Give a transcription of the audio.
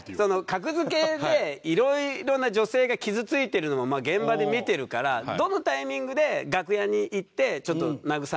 「格付け」で色々な女性が傷ついてるのも現場で見てるからどのタイミングで楽屋に行ってちょっと慰めの言葉をとか。